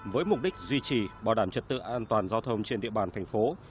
với mục đích duy trì bảo đảm trật tự an toàn giao thông trên địa bàn thành phố